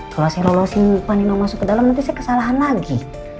kalau saya bawa si panino masuk ke dalam nanti saya kesalahan lagi